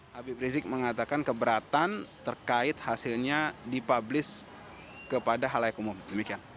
habib rizik mengatakan keberatan terkait hasilnya dipublis kepada halayak umum demikian